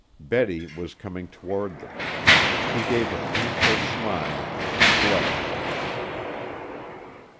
Betty was coming toward them. He gave a painful smile and fled.